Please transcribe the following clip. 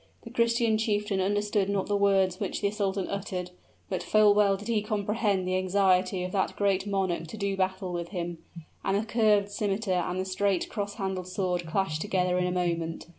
The Christian chieftain understood not the words which the sultan uttered, but full well did he comprehend the anxiety of that great monarch to do battle with him; and the curved scimiter and the straight, cross handled sword clashed together in a moment.